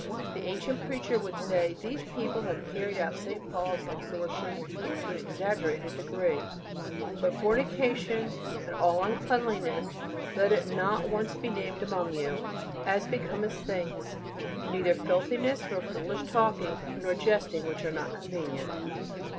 The ancient preacher would say, "These people have carried out St. Paul's exhortation to an exaggerated degree: 'But fornication and all uncleanness, let it not once be named among you, as becometh saints; neither filthiness nor foolish talking nor jesting which are not convenient.'"